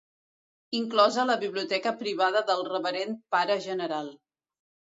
Inclosa la biblioteca privada del Reverend Pare General.